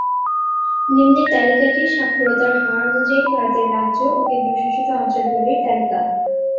নিম্নের তালিকাটি সাক্ষরতার হার অনুযায়ী ভারতের রাজ্য ও কেন্দ্রশাসিত অঞ্চলগুলির তালিকা।